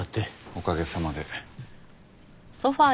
おかげさまで。